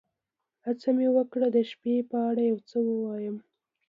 هڅه مې وکړه د شپې په اړه یو څه ووایم.